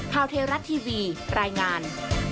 พราวเทรัตน์ทีวีรายงาน